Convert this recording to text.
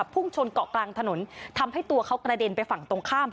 พุ่งชนเกาะกลางถนนทำให้ตัวเขากระเด็นไปฝั่งตรงข้าม